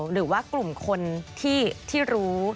หรือว่ากลุ่มคนที่รู้